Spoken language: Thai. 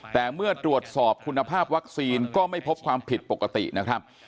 แต่เมื่อตรวจสอบคุณภาพวัคซีนก็ไม่พบความผิดปกตินะครับ